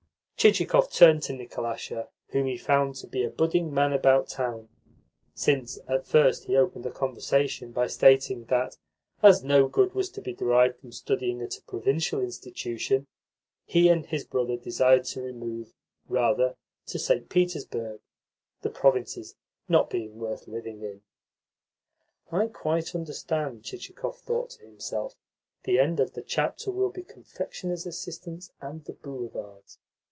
Chichikov turned to Nikolasha, whom he found to be a budding man about town, since at first he opened a conversation by stating that, as no good was to be derived from studying at a provincial institution, he and his brother desired to remove, rather, to St. Petersburg, the provinces not being worth living in. "I quite understand," Chichikov thought to himself. "The end of the chapter will be confectioners' assistants and the boulevards."